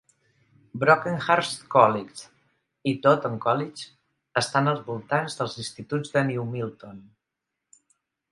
Brockenhurst Colitx i Totton Colitx estan al voltant dels instituts de New Milton.